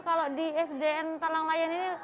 kalau di sdn talang layan ini